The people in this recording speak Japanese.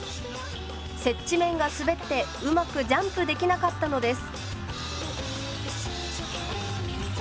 接地面が滑ってうまくジャンプできなかったのです。